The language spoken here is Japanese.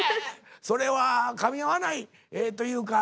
それはかみ合わないというか。